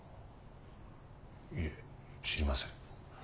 いえ知りません。